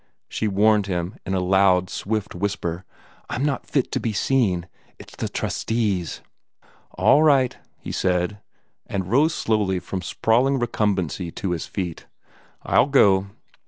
she warned him, in a loud, swift whisper. "I'm not fit to be seen. It is the trustees." "All right," he said, and rose slowly from sprawling recumbency to his feet. "I'll go."